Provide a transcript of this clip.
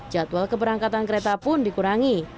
jadwal keberangkatan kereta pun dikurangi